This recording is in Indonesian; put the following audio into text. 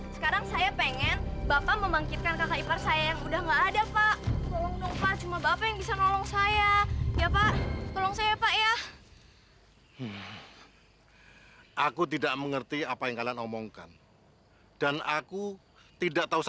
sampai jumpa di video selanjutnya